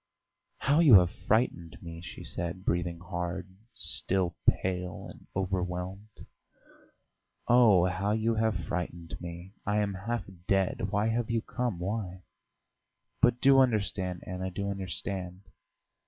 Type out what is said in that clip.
"How you have frightened me!" she said, breathing hard, still pale and overwhelmed. "Oh, how you have frightened me! I am half dead. Why have you come? Why?" "But do understand, Anna, do understand